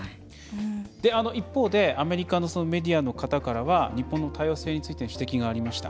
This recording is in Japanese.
一方でアメリカのメディアの方からは日本の多様性についての指摘がありました。